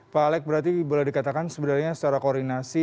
pak alex berarti boleh dikatakan sebenarnya secara koordinasi